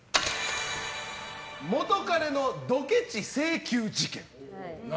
元カレのドケチ請求事件。